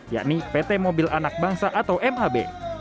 yakni pt mobil anak bangsa atau mab